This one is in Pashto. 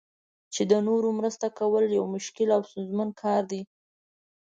چې د نورو سره مرسته کول یو مشکل او ستونزمن کار دی.